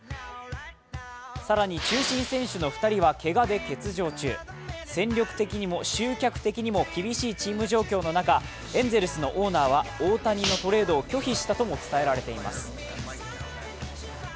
更に中心選手の２人はけがで休場中戦力的にも集客的にも厳しいチーム状況の中、エンゼルスのオーナーは大谷のトレードを拒否したとも伝えられています。